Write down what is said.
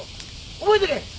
覚えとけ！